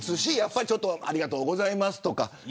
ありがとうございますとかね。